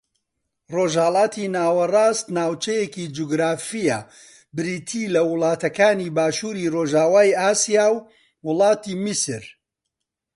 ڕۆژھەڵاتی ناوەڕاست ناوچەیەکی جوگرافییە بریتی لە وڵاتەکانی باشووری ڕۆژاوای ئاسیا و وڵاتی میسر